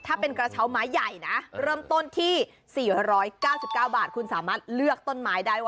ถ้าเป็นกระเช้าไม้ใหญ่นะเริ่มต้นที่๔๙๙บาทคุณสามารถเลือกต้นไม้ได้